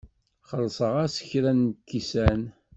Xellṣeɣ-as kra n lkisan.